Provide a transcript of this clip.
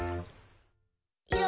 「いろ